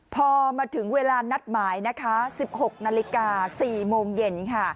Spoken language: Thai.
พอมาถึงเวลานัดหมายนะคะ๑๖นาฬิกา๔โมงเย็นค่ะ